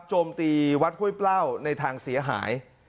โจมตีวัดห้วยเปล้าในทางเสียหาย